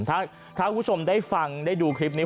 อยู่อย่างมีเกียรติอยู่อย่างมีศักดิ์ศรี